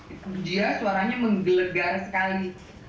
itu dia suaranya menggelegar sekali